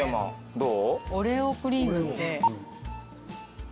どう？